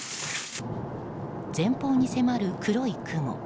前方に迫る黒い雲。